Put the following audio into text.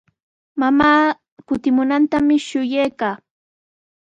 Mamaa kutimunantami shuyaykaa.